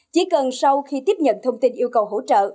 chỉ cần sau khi tiếp nhận thông tin yêu cầu hỗ trợ